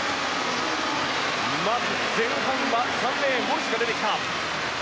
まず、前半は３レーンウォルシュが出てきた。